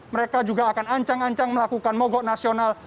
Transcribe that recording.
mereka juga akan ancang ancang melakukan mogok nasional